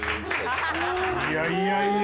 いやいやいやいや。